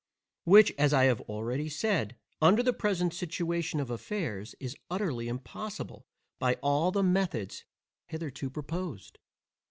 which, as I have already said, under the present situation of affairs, is utterly impossible by all the methods hitherto proposed.